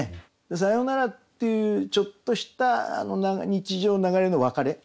「さよなら」っていうちょっとした日常の流れの別れ。